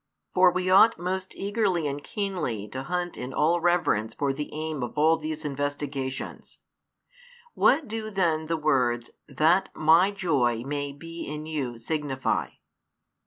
For we ought most eagerly and keenly to hunt in all reverence for the aim of all these investigations. What do then the words that My joy may be in you signify?